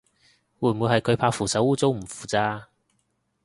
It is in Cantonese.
會唔會係佢怕扶手污糟唔扶咋